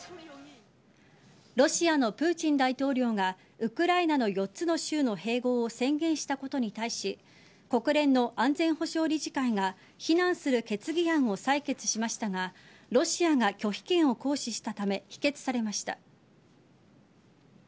ロシアのプーチン大統領がウクライナの４つの州の併合を宣言したことに対し国連の安全保障理事会は非難する決議案を採決しましたがロシアが拒否権を行使したため否決されました。